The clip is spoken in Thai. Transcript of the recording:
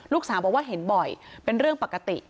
ลูกสาวบอกว่าเห็นบ่อยเป็นเรื่องปกติ